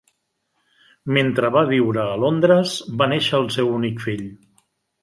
Mentre va viure a Londres va néixer el seu únic fill.